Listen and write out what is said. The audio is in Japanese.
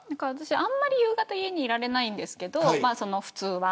あんまり夕方、家にいられないんですけど普通は。